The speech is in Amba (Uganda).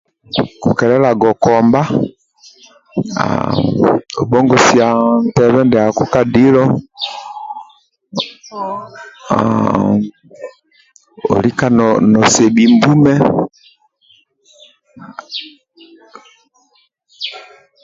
Kukelelaga okomba haaa obhongosia ntebe ndiako ka dilo olika nosebhi mbume